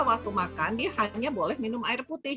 waktu makan dia hanya boleh minum air putih